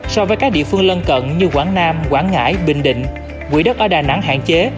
so với các địa phương lân cận như quảng nam quảng ngãi bình định quỹ đất ở đà nẵng hạn chế